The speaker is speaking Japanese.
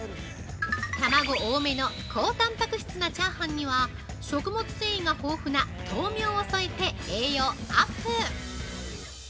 卵多めの高たんぱく質なチャーハンには、食物繊維が豊富な豆苗を添えて栄養アップ！